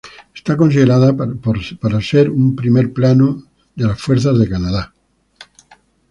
Está considerada para ser un primer plano de las fuerzas de Canadá.